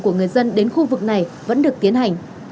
của người dân đến khu vực này vẫn được tiến hành